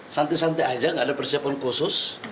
santai santai aja nggak ada persiapan khusus